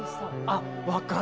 あ分かる。